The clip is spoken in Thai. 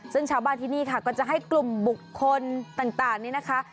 ซึ่งชาวบ้านที่นี่ค่ะก็จะให้กลุ่มบุคคลต่างนี่นะคะ